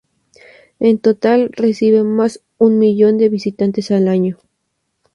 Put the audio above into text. En total recibe más un millón de visitantes al año.